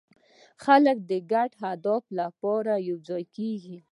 خلک د ګډ هدف لپاره یوځای کېږي.